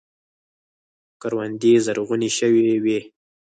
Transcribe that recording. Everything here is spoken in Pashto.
کروندې زرغونې شوې وې.